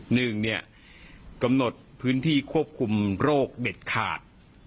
หนึ่งเนี่ยกำหนดพื้นที่ควบคุมโรคเด็ดขาด